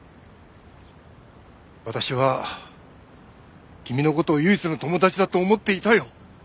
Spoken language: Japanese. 私は君の事を唯一の友達だと思っていたよ。